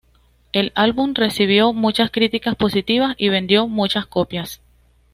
El álbum recibió muchas críticas positivas y vendió muchas copias.